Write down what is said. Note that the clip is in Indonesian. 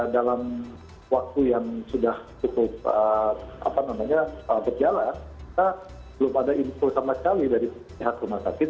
dalam waktu yang sudah cukup berjalan kita belum ada info sama sekali dari pihak rumah sakit